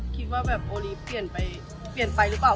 คิดว่าโอลิฟท์เปลี่ยนไปหรือเปล่า